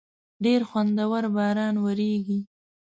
ډېر خوندور باران وریږی